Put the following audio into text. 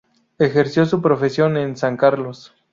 Ejerció su profesión en San Carlos.